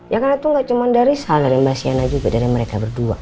ya karena tuh gak cuma dari sal dari mbak sienna juga dari mereka berdua